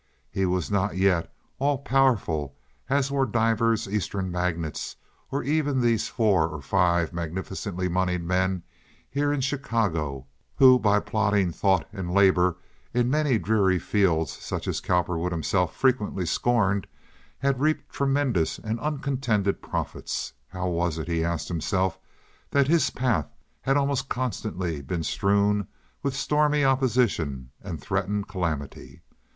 He was not yet all powerful as were divers Eastern magnates, or even these four or five magnificently moneyed men here in Chicago who, by plodding thought and labor in many dreary fields such as Cowperwood himself frequently scorned, had reaped tremendous and uncontended profits. How was it, he asked himself, that his path had almost constantly been strewn with stormy opposition and threatened calamity?